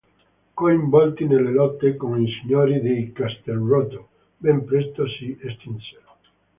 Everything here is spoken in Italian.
Coinvolti nelle lotte con i signori di Castelrotto ben presto si estinsero.